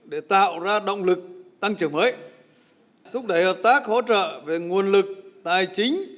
để tạo ra động lực tăng trưởng mới thúc đẩy hợp tác hỗ trợ về nguồn lực tài chính